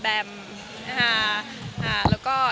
แล้วก็